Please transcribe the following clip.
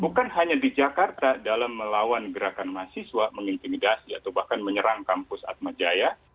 bukan hanya di jakarta dalam melawan gerakan mahasiswa mengintimidasi atau bahkan menyerang kampus atmajaya